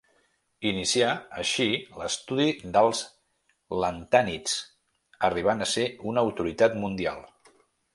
Inicià, així l'estudi dels lantànids, arribant a ser una autoritat mundial.